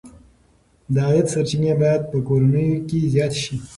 د عاید سرچینې باید په کورنیو کې زیاتې شي.